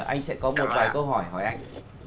anh sẽ có một vài câu hỏi hỏi anh